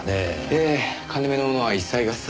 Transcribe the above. ええ金目のものは一切合切。